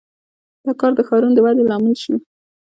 • دا کار د ښارونو د ودې لامل شو.